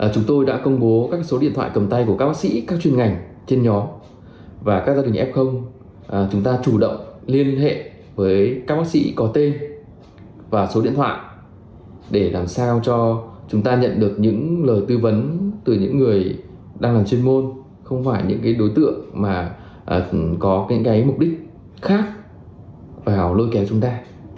chúng tôi đã công bố các số điện thoại cầm tay của các bác sĩ các chuyên ngành trên nhóm và các gia đình f chúng ta chủ động liên hệ với các bác sĩ có tên và số điện thoại để làm sao cho chúng ta nhận được những lời tư vấn từ những người đang làm chuyên môn không phải những đối tượng mà có những mục đích khác vào lôi kéo chúng ta